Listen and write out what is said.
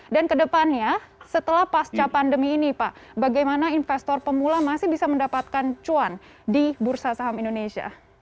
dan ke depannya setelah pasca pandemi ini pak bagaimana investor pemula masih bisa mendapatkan cuan di bursa saham indonesia